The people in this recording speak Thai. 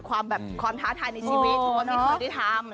ความท้าทายในชีวิตมีคนที่ทำอะไรอย่างนี้